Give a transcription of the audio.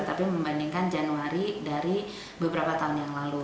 tapi membandingkan januari dari beberapa tahun yang lalu